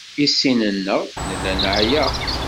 I sin-nneɣ nella neɛya.